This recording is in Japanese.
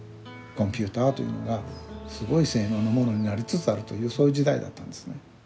コンピューターというのがすごい性能のものになりつつあるというそういう時代だったんですね。